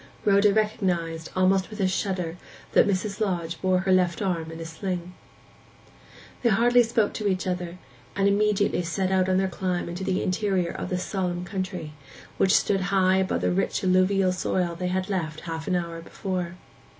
Rhoda recognized, almost with a shudder, that Mrs. Lodge bore her left arm in a sling. They hardly spoke to each other, and immediately set out on their climb into the interior of this solemn country, which stood high above the rich alluvial soil they had left half an hour before.